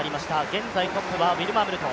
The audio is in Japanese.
現在トップはウィルマ・ムルト。